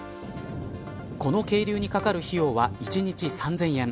この係留にかかる費用は１日３０００円。